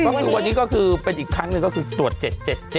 ก็คือวันนี้ก็คือเป็นอีกครั้งหนึ่งก็คือตรวจ๗๗